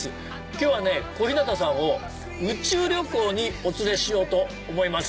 今日は小日向さんを宇宙旅行にお連れしようと思います。